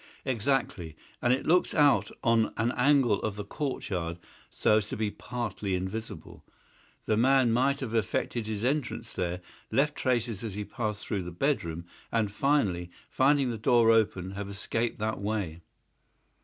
"Exactly. And it looks out on an angle of the courtyard so as to be partly invisible. The man might have effected his entrance there, left traces as he passed through the bedroom, and, finally, finding the door open have escaped that way."